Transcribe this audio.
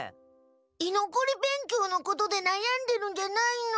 いのこり勉強のことでなやんでるんじゃないの。